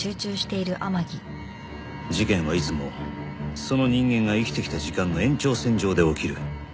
事件はいつもその人間が生きてきた時間の延長線上で起きる